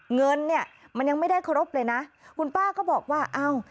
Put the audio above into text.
เงินเนี่ยมันยังไม่ได้ครบเลยนะคุณป้าก็บอกว่าอ้าว